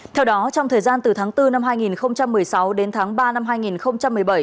theo đó trong thời gian từ tháng bốn năm hai nghìn một mươi sáu đến tháng ba năm hai nghìn một mươi bảy